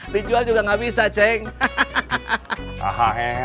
dijual juga nggak bisa ceng